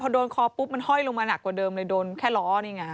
พอโดนคอปุ๊บมันห้อยลงมาหนักกว่าเดิมเลยโดนแค่ล้อนี่ไง